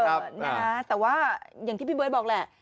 นะฮะแต่ว่าอย่างที่พี่เบิร์ตบอกแหละ